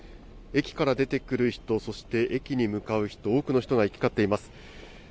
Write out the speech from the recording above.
駅から出てくる人、そして駅に向かう人、多くの人が行き交っています。